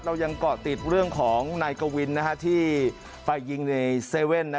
เรายังเกาะติดเรื่องของนายกวินที่ไปยิงในเซเว่น